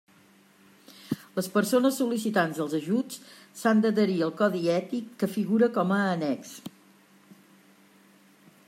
Les persones sol·licitants dels ajuts s'han d'adherir al codi ètic que figura com a annex.